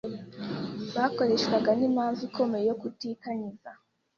bakoreshwaga n’impamvu ikomeye yo kutikanyiza.